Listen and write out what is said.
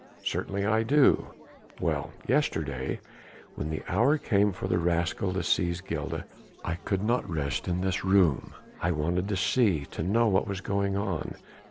"Certainly I do." "Well! yesterday when the hour came for the rascal to seize Gilda, I could not rest in this room. I wanted to see, to know what was going on.